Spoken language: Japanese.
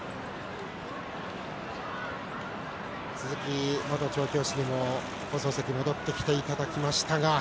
鈴木元調教師にも放送席に戻ってきていただきました。